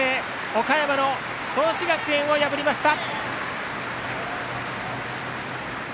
岡山の創志学園を破りました。